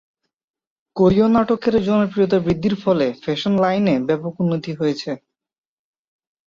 কোরীয় নাটকের জনপ্রিয়তা বৃদ্ধির ফলে ফ্যাশন লাইনে ব্যাপক উন্নতি হয়েছে।